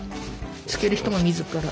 付ける人が自ら。